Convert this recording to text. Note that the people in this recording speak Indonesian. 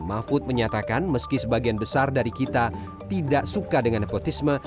mahfud menyatakan meski sebagian besar dari kita tidak suka dengan nepotisme